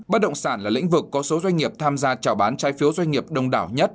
bất động sản là lĩnh vực có số doanh nghiệp tham gia trào bán trái phiếu doanh nghiệp đông đảo nhất